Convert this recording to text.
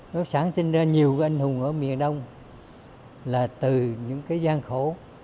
nó sáng sinh ra nhiều anh hùng ở miền đông là từ những gian khổ